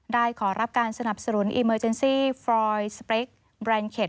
ขอรับการสนับสนุนอีเมอร์เจนซี่ฟรอยสเปรคแบรนด์เข็ด